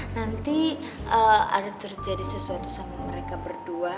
nanti ada terjadi sesuatu sama mereka berdua